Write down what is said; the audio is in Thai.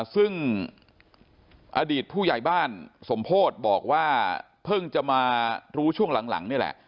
ซึ่งอดีตผู้ใหญ่บ้านสมโพธิบอกว่าเพิ่งจะมารู้ช่วงหลังนี่แหละ